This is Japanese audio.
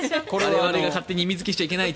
我々が勝手に意味付けしちゃいけないと。